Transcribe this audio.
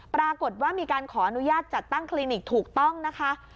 ปรากฏว่ามีการขออนุญาตจัดตั้งคลินิกถูกต้องนะคะ